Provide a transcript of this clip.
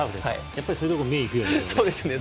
やっぱりそういうところ目にいくよね。